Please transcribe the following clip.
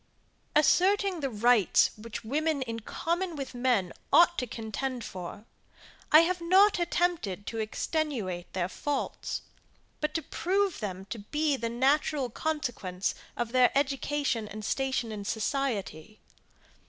Asserting the rights which women in common with men ought to contend for, I have not attempted to extenuate their faults; but to prove them to be the natural consequence of their education and station in society.